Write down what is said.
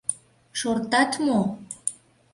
— Шортат мо?..